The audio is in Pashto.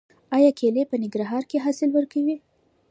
آیا کیلې په ننګرهار کې حاصل ورکوي؟